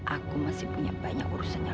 aku masih punya banyak urusannya